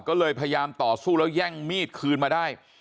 ก็เลยพยายามต่อสู้แล้วแย่งมีดคืนมาได้